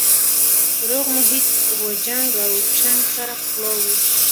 روغ محیط و جنګ او چنګ سره پخلا وو